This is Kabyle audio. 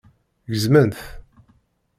Gezmen-t.